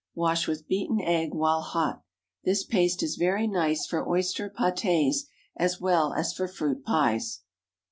Wash with beaten egg while hot. This paste is very nice for oyster pâtés as well as for fruit pies.